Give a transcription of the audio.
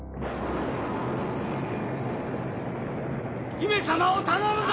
姫様を頼むぞ！